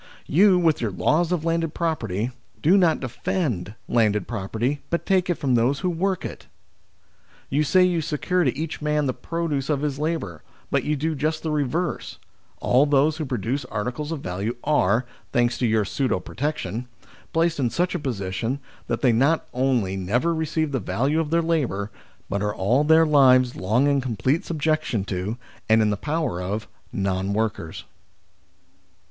You, with your laws of landed property, do not defend landed property, but take it from those who work it. You say WHAT ARE GOVERNMENTS? 97 you secure to each man the produce of his labour, but you do just the reverse : all those who pro duce articles of value, are, thanks to your pseudo protection, placed in such a position that they not only never receive the value of their labour, but are all their lives long in complete subjection to, and in the power of, non workers."